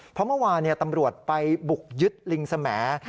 เพราะเมื่อวานตำรวจไปบุกยึดลิงสมแห